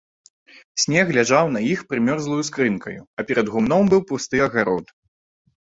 Снег ляжаў на іх прымёрзлаю скарынкаю, а перад гумном быў пусты агарод.